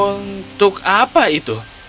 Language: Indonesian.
untuk apa itu